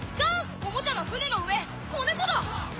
おもちゃの船の上子猫だ。